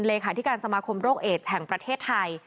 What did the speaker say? เลขาธิการสมาคมโรคเอดแห่งประเทศไทย